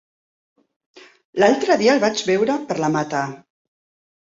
L'altre dia el vaig veure per la Mata.